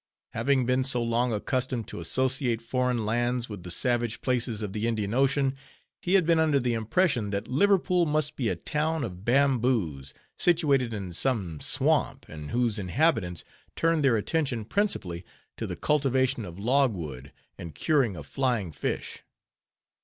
Having been so long accustomed to associate foreign lands with the savage places of the Indian Ocean, he had been under the impression, that Liverpool must be a town of bamboos, situated in some swamp, and whose inhabitants turned their attention principally to the cultivation of log wood and curing of flying fish.